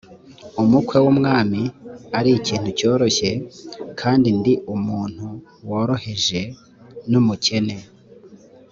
umukwe w umwami ari ikintu cyoroshye kandi ndi umuntu woroheje n umukene